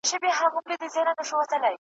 اوسېدلی نه په جبر نه په زور وو `